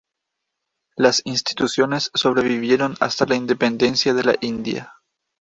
Las instituciones sobrevivieron hasta la independencia de la India.